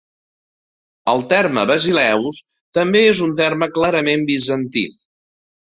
El terme "basileus" també és un terme clarament bizantí.